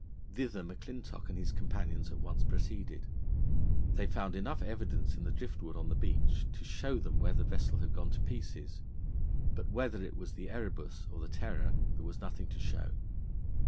Thither McClintock and his companions at once proceeded. They found enough evidence in the drift wood on the beach to show them where the vessel had gone to pieces; but whether it was the Erebus or the Terror, there was nothing to show.